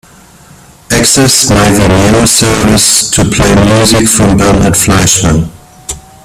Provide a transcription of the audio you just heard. Access my Vimeo service to play music from Bernhard Fleischmann